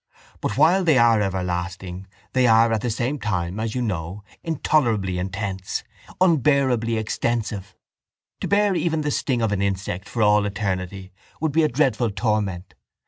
But while they are everlasting they are at the same time, as you know, intolerably intense, unbearably extensive. To bear even the sting of an insect for all eternity would be a dreadful torment.